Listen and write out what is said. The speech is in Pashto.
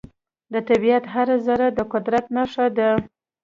د طبیعت هره ذرې د قدرت نښه ده.